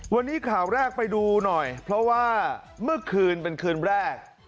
วันนี้ข่าวแรกไปดูหน่อยเพราะว่าเมื่อคืนเป็นคืนแรก